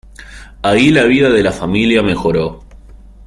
Ahí la vida de la familia mejoró.